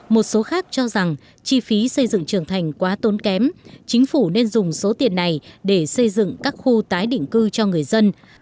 một số khác cho rằng chi phí xây dựng trưởng thành quá tốn kém chính phủ nên dùng số tiền này để xây dựng các khu tái định cư cho người dân